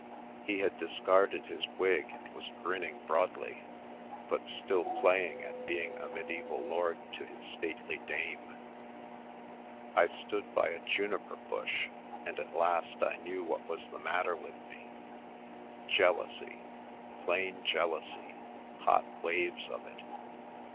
He had discarded his wig and was grinning broadly, but still playing at being a medieval lord to his stately dame. I stood by a juniper bush, and at last I knew what was the matter with me. Jealousy — plain jealousy, hot waves of it.